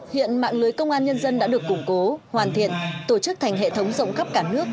hiện mạng lưới công an nhân dân đã được củng cố hoàn thiện tổ chức thành hệ thống rộng khắp cả nước